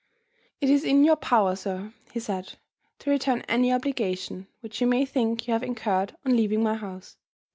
"It is in your power, sir," he said, "to return any obligation which you may think you have incurred on leaving my house.